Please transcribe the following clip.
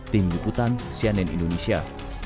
tim jeputan cnn indonesia